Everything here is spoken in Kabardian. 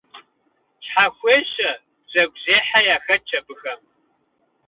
Щхьэхуещи бзэгузехьи яхэтщ абыхэм.